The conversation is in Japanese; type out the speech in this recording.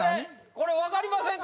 これ分かりませんか？